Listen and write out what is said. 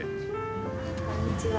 こんにちは。